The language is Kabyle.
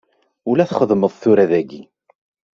Ula txedmeḍ tura dagi.